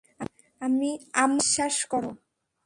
আমার বিশ্বাস করো।